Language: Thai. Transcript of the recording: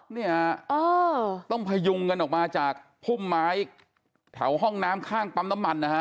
เนี่ยต้องพยุงกันออกมาจากพุ่มไม้แถวห้องน้ำข้างปั๊มน้ำมันนะฮะ